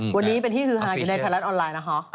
วันนี้เป็นที่ฮือฮาอยู่ในไทยรัฐออนไลน์นะคะ